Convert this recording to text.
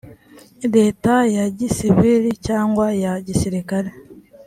leta ya gisiviri cyangwa ya gisirikare